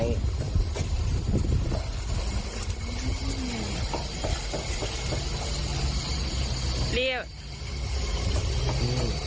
เรียบ